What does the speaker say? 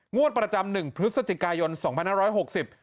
งวดประจำหนึ่งพฤศจิกายนสองพันห้าร้อยหกสิบ